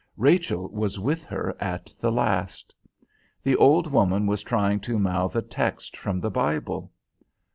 Rachel was with her at the last. The old woman was trying to mouth a text from the Bible.